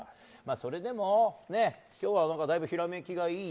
それでも今日はだいぶひらめきがいいと。